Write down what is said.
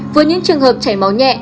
với những trường hợp chảy máu nhẹ